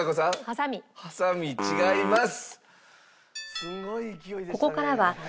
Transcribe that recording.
ハサミ違います。